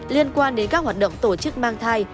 liên quan đến các hoạt động tổ chức mang thai